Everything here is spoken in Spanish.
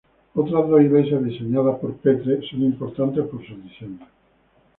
Otras dos iglesias diseñadas por Petre son importantes por sus diseños.